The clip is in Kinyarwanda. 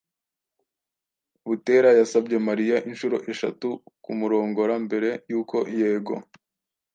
Butera yasabye Mariya inshuro eshatu kumurongora mbere yuko yego.